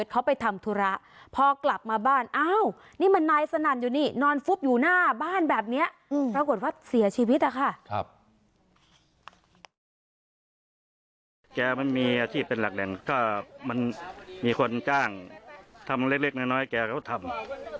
แกมันมีอาชีพแหลกแหล่งที่มีคนก้างทำเล็กน้อยแกเขาทำ